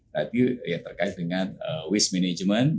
tapi ya terkait dengan manajemen sampah